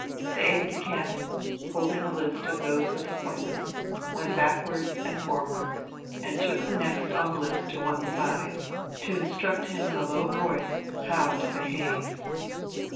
The aide de camp, holding a list of those with appointments, went backwards and forwards and took the next on the list to one side, to instruct him in a low voice how to behave.